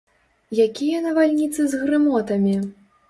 Якія навальніцы з грымотамі!